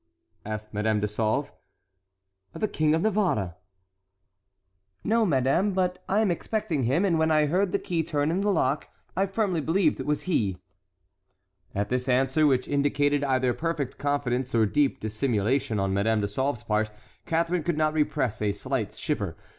asked Madame de Sauve. "The King of Navarre." "No, madame; but I am expecting him, and when I heard the key turn in the lock, I firmly believed it was he." At this answer, which indicated either perfect confidence or deep dissimulation on Madame de Sauve's part, Catharine could not repress a slight shiver.